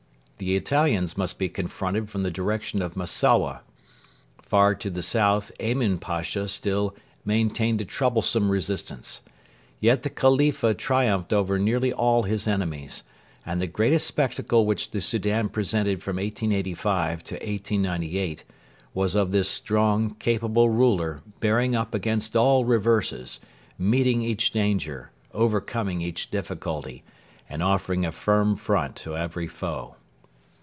The Italians must be confronted from the direction of Massowa. Far to the south Emin Pasha still maintained a troublesome resistance. Yet the Khalifa triumphed over nearly all his enemies; and the greatest spectacle which the Soudan presented from 1885 to 1898 was of this strong, capable ruler bearing up against all reverses, meeting each danger, overcoming each difficulty, and offering a firm front to every foe.